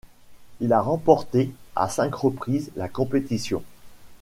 Il a remporté à cinq reprises la compétition.